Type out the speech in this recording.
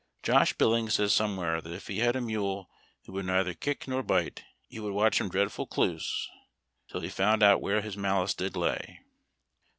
Josh Billings says somewhere that if he had a mule who would neither kick nor bite he would watch him dreadful " cluss " till he found out where his malice did lay.